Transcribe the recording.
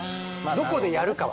どこでやるかは。